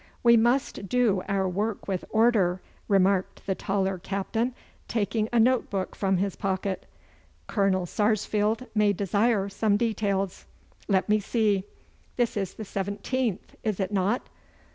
'We must do our work with order,' remarked the taller Captain, taking a note book from his pocket. 'Colonel Sarsfield may desire some details. Let me see! This is the seventeenth, is it not?